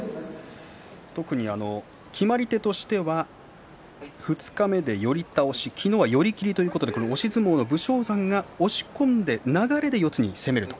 特に決まり手としては二日目に寄り倒し昨日は寄り切りということで押し相撲の武将山が押し込んで流れで四つに攻めると。